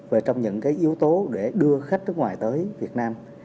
về trong những yếu tố để đưa khách nước ngoài tới việt nam